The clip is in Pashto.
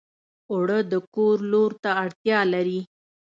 اوړه د کور لور ته اړتیا لري